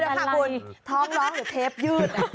เดี๋ยวค่ะคุณท้องร้องหรือเทปยืด